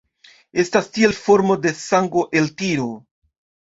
Estas tiel formo de sango-eltiro.